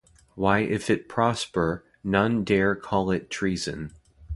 Why if it prosper, none dare call it treason.